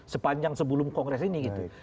sepanjang sebelum kongres ini gitu